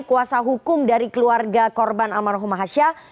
kuasa hukum dari keluarga korban almarhum hasyah